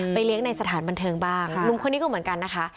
เลี้ยงในสถานบันเทิงบ้างหนุ่มคนนี้ก็เหมือนกันนะคะ